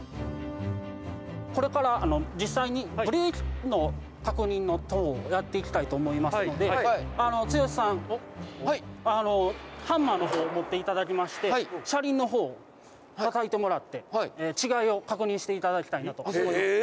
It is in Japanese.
これから実際にブレーキの確認のトーンをやっていきたいと思いますので剛さんハンマーのほう持って頂きまして車輪のほうをたたいてもらって違いを確認して頂きたいなと。